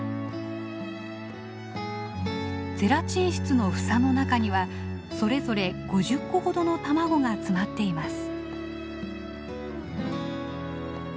ゼラチン質の房の中にはそれぞれ５０個ほどの卵が詰まっています。